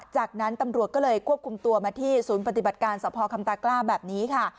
จากนั้นตำรวจก็เลยควบคุมตัวมาที่ศูนย์ปฏิบัติการสภคำตากล้าแบบนี้ค่ะ